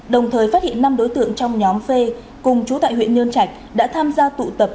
đồng thời phát hiện năm đối tượng trong nhóm phê cùng chú tại huyện nhơn trạch đã tham gia tụ tập